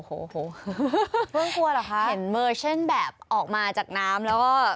โอ้โหเพิ่งกลัวเหรอคะเห็นเวอร์เช่นแบบออกมาจากน้ำแล้วก็